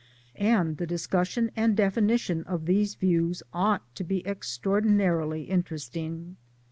And the discussion and definition of these views ought to be extraordinarily; interesting.